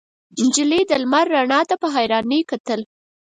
نجلۍ د لمر رڼا ته په حيرانۍ کتل.